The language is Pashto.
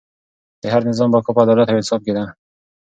د هر نظام بقا په عدالت او انصاف کې ده.